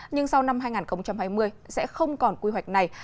nhưng sau năm hai nghìn hai mươi sẽ không còn quy hoạch này